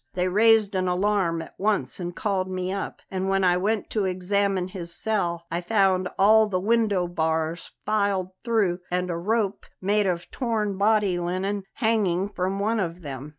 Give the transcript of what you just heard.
They raised an alarm at once and called me up; and when I went to examine his cell I found all the window bars filed through and a rope made of torn body linen hanging from one of them.